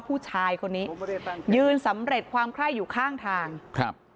ผู้ชายคนนี้ยืนสำเร็จความไคร้อยู่ข้างทางครับ